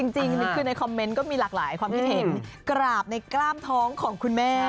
จริงคือในคอมเมนต์ก็มีหลากหลายความคิดเห็นกราบในกล้ามท้องของคุณแม่